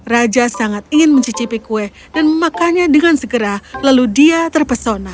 raja sangat ingin mencicipi kue dan memakannya dengan segera lalu dia terpesona